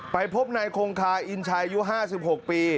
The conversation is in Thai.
ไปพบในคงคาอินชัยยู๕๖ปี